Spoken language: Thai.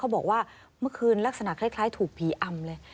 บอกว่าเมื่อคืนลักษณะคล้ายถูกผีอำเลย